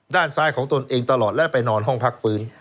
ด้านซ้ายของตนเองตลอดและไปนอนห้องพักฟื้น